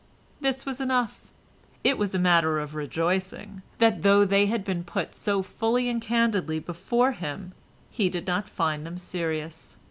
This was enough; it was a matter for rejoicing that, though they had been put so fully and candidly before him, he did not find them serious.